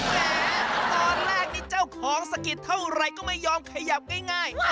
แหมตอนแรกนี่เจ้าของสะกิดเท่าไหร่ก็ไม่ยอมขยับง่าย